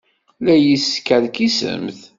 La yi-teskerkisemt?